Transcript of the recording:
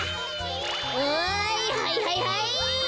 はいはいはいはい！